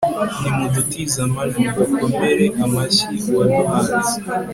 nimudutize amajwi, dukomere amashyi uwaduhanze